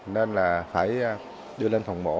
nên là phải đi lên phòng mổ